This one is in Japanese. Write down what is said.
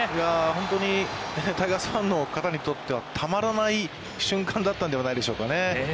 本当にタイガースファンの方にとってはたまらない瞬間だったんではないでしょうかね。